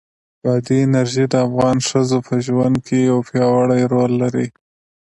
بادي انرژي د افغان ښځو په ژوند کې یو پیاوړی رول لري.